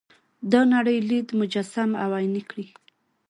دا نړۍ لید مجسم او عیني کړي.